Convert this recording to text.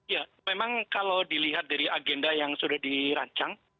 ya memang kalau dilihat dari agenda yang sudah dirancang